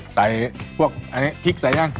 ใส่พวกราบนี้พริกใส่หรือยัง